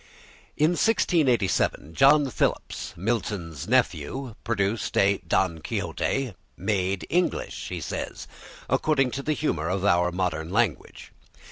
In 1687 John Phillips, Milton's nephew, produced a "Don Quixote" "made English," he says, "according to the humour of our modern language."